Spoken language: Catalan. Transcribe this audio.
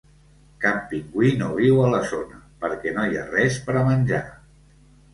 Cap pingüí no viu a la zona perquè no hi ha res per a menjar.